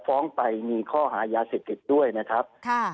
ฟ้องไปมีข้อหายาเสพติดด้วยนะครับ